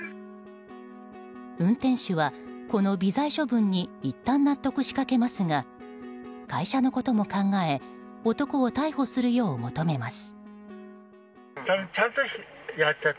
運転手は、この微罪処分にいったん納得しかけますが会社のことも考え男を逮捕するよう求めます。